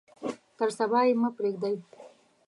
تر صبا یې مه پریږدئ.